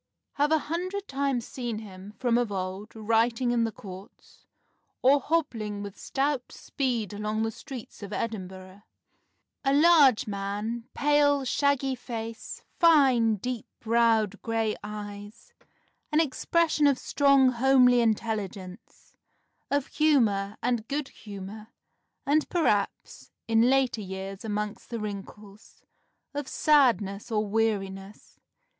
Have a hundred times seen him, from of old, writing in the Courts, or hobbling with stout speed along the streets of Edinburgh; a large man, pale, shaggy face, fine, deep browed gray eyes, an expression of strong homely intelligence, of humour and good humour, and, perhaps (in later years amongst the wrinkles), of sadness or weariness....